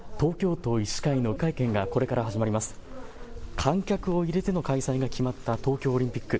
観客を入れての開催が決まった東京オリンピック。